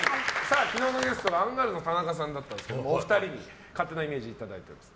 昨日のゲスト、アンガールズの田中さんだったんですがお二人に勝手なイメージいただいています。